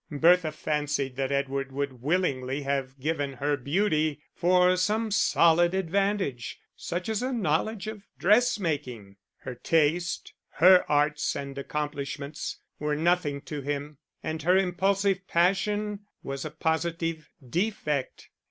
Bertha fancied that Edward would willingly have given her beauty for some solid advantage, such as a knowledge of dressmaking; her taste, her arts and accomplishments, were nothing to him, and her impulsive passion was a positive defect.